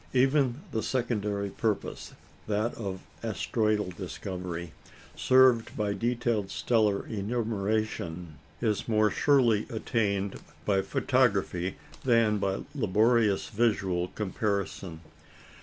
Even the secondary purpose that of asteroidal discovery served by detailed stellar enumeration, is more surely attained by photography than by laborious visual comparison.